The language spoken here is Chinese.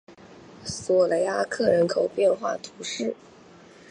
索雷阿克人口变化图示